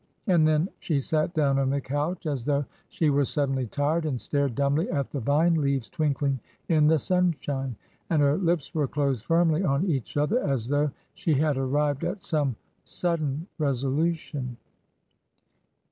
And then she sat down on the couch as though she were suddenly tired, and stared dumbly at the vine leaves twinkling in the sunshine; and her lips were closed firmly on each other, as though she had arrived at some sudden resolution.